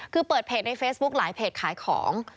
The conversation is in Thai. คือเปิดเพจในเฟซบุ๊คหลายเพจขายของ